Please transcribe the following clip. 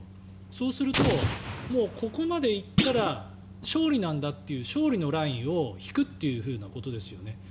そうすると、ここまで行ったら勝利なんだという勝利のラインを引くということですよね。